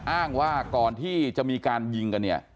อ้างว่าก่อนที่จะมีการยิงกันเนี่ย